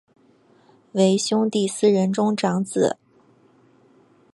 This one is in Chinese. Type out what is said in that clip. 为兄弟四人中长子。